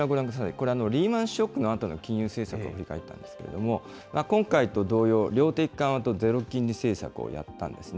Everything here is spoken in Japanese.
これ、リーマンショックのあとの金融政策を振り返ったんですけれども、今回と同様、量的緩和とゼロ金利政策をやったんですね。